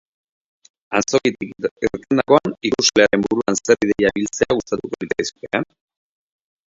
Antzokitik irtendakoan, ikuslearen buruan zer ideia ibiltzea gustatuko litzaizuke?